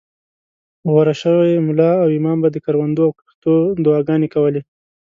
غوره شوي ملا او امام به د کروندو او کښتو دعاګانې کولې.